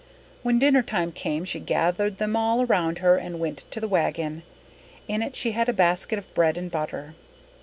When dinner time came she gathered them all around her and went to the wagon. In it she had a basket of bread and butter.